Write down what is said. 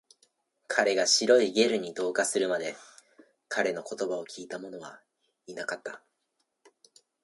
彼が白いゲルに同化するまで、彼の言葉を聞いたものはいなかった